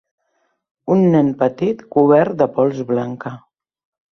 Un nen petit cobert de pols blanca.